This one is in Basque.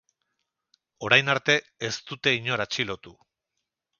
Orain arte ez dute inor atxilotu.